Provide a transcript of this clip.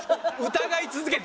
疑い続けて。